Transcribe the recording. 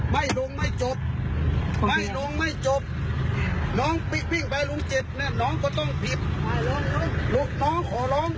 ไม่ลุงไม่จบไม่ลงไม่จบล้องลูกน้องขอล้อง